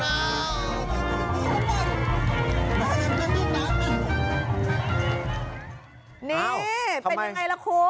อ้าวนี่เป็นอย่างไรล่ะคุณ